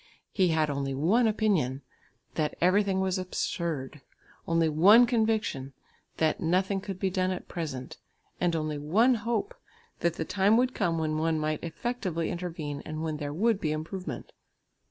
He had only one opinion, that everything was absurd, only one conviction, that nothing could be done at present, and only one hope, that the time would come when one might effectively intervene, and when there would be improvement.